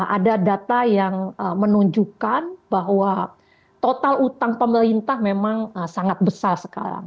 ada data yang menunjukkan bahwa total utang pemerintah memang sangat besar sekarang